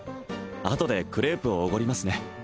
あとでクレープおごりますね